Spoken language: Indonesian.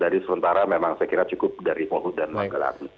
jadi sementara memang saya kira cukup dari polhut dan manggalakni